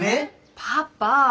パパ！